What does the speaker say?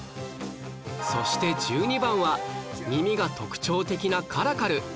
そして１２番は耳が特徴的なカラカル